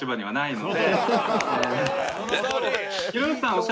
はい。